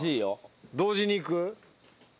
同時にいく？